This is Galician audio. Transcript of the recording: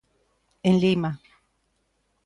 En Lima.